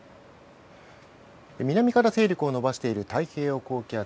南から勢力を伸ばしている太平洋高気圧